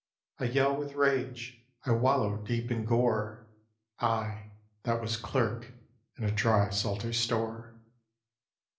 I yell with rage; I wallow deep in gore: I, that was clerk in a drysalter's store.